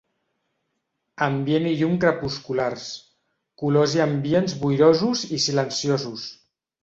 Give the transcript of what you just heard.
Ambient i llum crepusculars; colors i ambients boirosos i silenciosos.